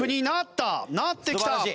なってきた！